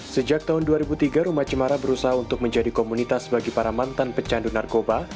sejak tahun dua ribu tiga rumah cemara berusaha untuk menjadi komunitas bagi para mantan pecandu narkoba